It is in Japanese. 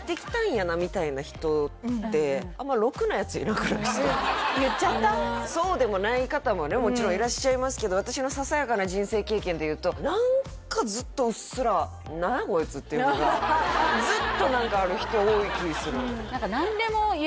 彼あっいますねすごい言っちゃったそうでもない方もねもちろんいらっしゃいますけど私のささやかな人生経験でいうと何かずっとうっすらっていうのがずっと何かある人多い気ぃする